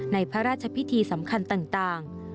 ในพระราชพิธีสำคัญต่าง